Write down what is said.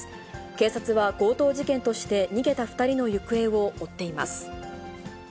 警察は強盗事件として、逃げた２人の行方を追っています。